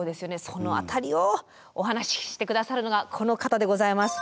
その辺りをお話しして下さるのがこの方でございます。